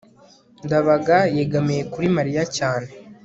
ndabaga yegamiye kuri mariya cyane